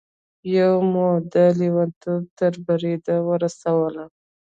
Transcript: يوه مو د لېونتوب تر بريده ورسوله.